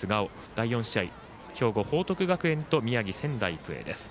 第４試合、兵庫・報徳学園と宮城・仙台育英です。